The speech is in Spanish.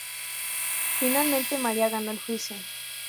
Finalmente, Mariah ganó el juicio.